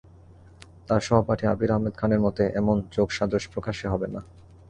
তাঁর সহপাঠী আবীর আহমেদ খানের মতে, এমন যোগসাজশ প্রকাশ্যে হবে না।